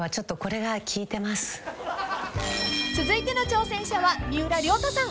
［続いての挑戦者は三浦太さん］